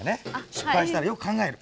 失敗したらよく考える。